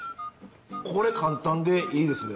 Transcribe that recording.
これ簡単でいいですね。